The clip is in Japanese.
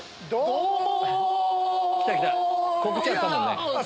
どうも！